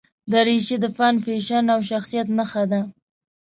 دریشي د فن، فیشن او شخصیت نښه ده.